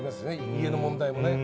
家の問題もね。